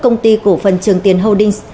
công ty cổ phần trường tiến holdings